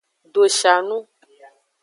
Doshanu.